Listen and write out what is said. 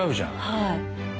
はい。